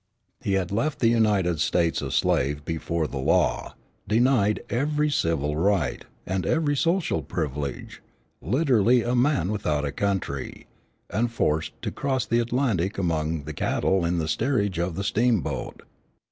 He had left the United States a slave before the law, denied every civil right and every social privilege, literally a man without a country, and forced to cross the Atlantic among the cattle in the steerage of the steamboat.